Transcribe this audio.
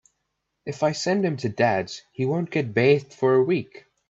If I send him to his Dad’s he won’t get bathed for a week.